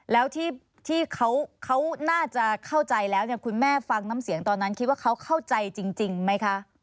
แล้วที่เขาน่าจะเข้าใจแล้วคุณแม่ฟังน้ำเสียงตอนนั้นคิดว่าเขาเข้าใจจริงไหมคะ